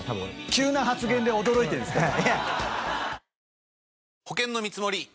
急な発言で驚いてるんですけど。